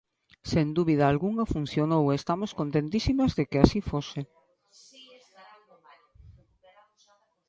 Sen dúbida algunha funcionou e estamos contentísimas de que así fose.